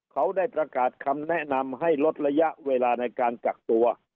เขาได้ประกาศคำแนะนำให้ลดระยะเวลาในการกักตัว